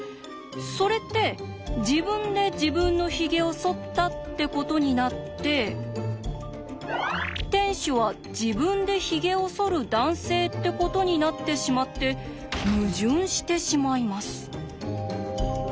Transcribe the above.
それって自分で自分のヒゲをそったってことになって店主は自分でヒゲをそる男性ってことになってしまって矛盾してしまいます。